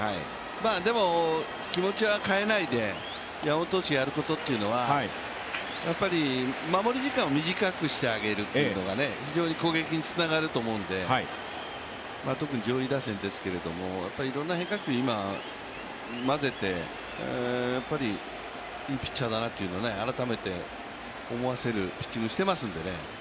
でも、気持ちは変えないで、山本投手がやることというのは守り時間を短くしてあげるというのが非常に攻撃につながると思うので、特に上位打線ですけれどもいろんな変化球を今、混ぜて、いいピッチャーだなというのを改めて思わせるピッチングしてますんでね。